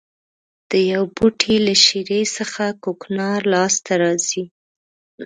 د یوه بوټي له شېرې څخه کوکنار لاس ته راځي.